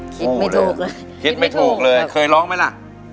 คิดไม่ถูกเลยคิดไม่ถูกเลยเคยร้องไหมล่ะ